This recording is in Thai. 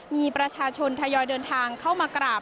มีประชาชนทยอยเดินทางเข้ามากราบ